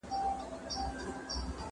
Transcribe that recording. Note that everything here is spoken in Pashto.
ورځي به توري شپې به ا وږدې وي